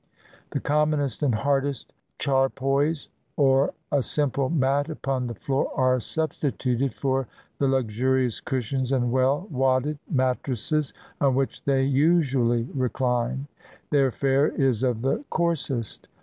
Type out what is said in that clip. The commonest and hardest charpoys, or a simple mat upon the floor, are substituted for the luxurious cushions and well wadded mattresses on which they usually recline. Their fare is of the coarsest.